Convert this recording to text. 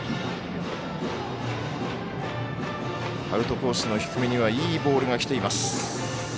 アウトコースの低めにはいいボールがきています。